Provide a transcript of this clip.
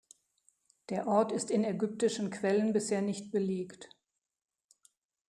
Der Ort ist in ägyptischen Quellen bisher nicht belegt.